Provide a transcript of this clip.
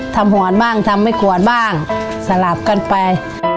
ทำหวานบ้างทำไม่หวานบ้างสลับกันไป